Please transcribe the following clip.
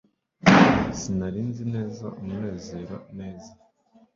sinari nzi neza munezero neza